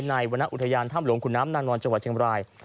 วรรณอุทยานถ้ำหลวงขุนน้ำนางนอนจังหวัดเชียงบราย